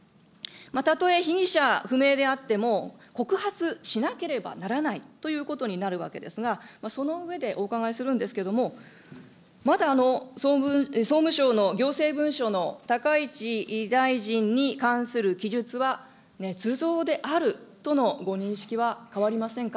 たとえ被疑者不明であっても告発しなければならないということになるわけですが、その上でお伺いするんですけれども、まだ総務省の行政文書の高市大臣に関する記述はねつ造であるとのご認識は変わりませんか。